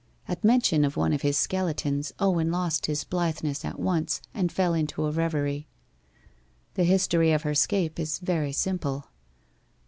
At mention of one of his skeletons Owen lost his blitheness at once, and fell into a reverie. 'The history of her escape is very simple.